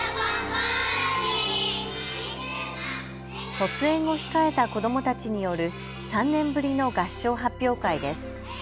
卒園を控えた子どもたちによる３年ぶりの合唱発表会です。